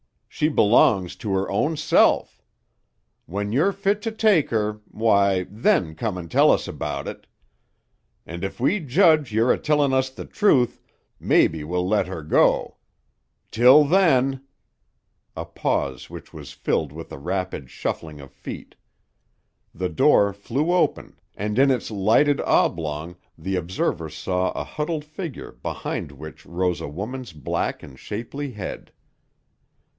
She belongs to her own self. When you're fit to take her, why, then come and tell us about it, and if we judge you're a tellin' us the truth, mebbe we'll let her go. Till then " a pause which was filled with a rapid shuffling of feet. The door flew open and in its lighted oblong the observer saw a huddled figure behind which rose a woman's black and shapely head.